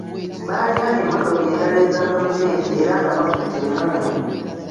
Baalina emmotoka endala eza gavumenti era nga bakutte emmundu .